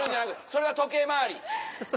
それは時計回り。